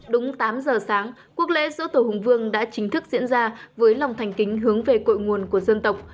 đúng tám giờ sáng quốc lễ dỗ tổ hùng vương đã chính thức diễn ra với lòng thành kính hướng về cội nguồn của dân tộc